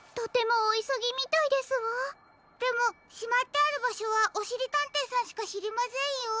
でもしまってあるばしょはおしりたんていさんしかしりませんよ。